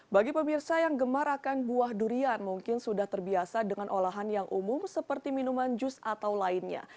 bagi pemirsa yang gemar akan buah durian mungkin sudah terbiasa dengan olahan yang umum seperti minuman jus atau lainnya